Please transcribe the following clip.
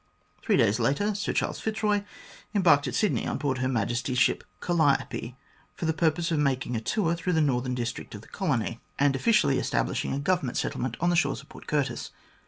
Three days later, Sir Charles Fitzroy embarked at Sydney on board Her Majesty's ship Calliope, for the purpose of making a tour through the northern district of the colony, and officially THE GROWTH AND DEVELOPMENT OF GLADSTONE 81 establishing a Government settlement on the shores of Port Curtis.